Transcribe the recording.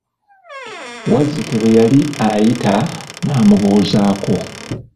Wazzike bwe yali ayita n'amubuuzaako.